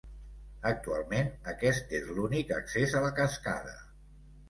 Actualment aquest és l'únic accés a la cascada.